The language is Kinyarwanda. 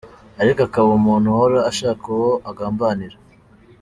aliko akaba umuntu uhora ashaka uwo agambanira.